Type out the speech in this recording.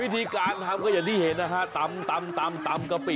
วิธีการทำก็อย่างที่เห็นนะฮะตำกะปิ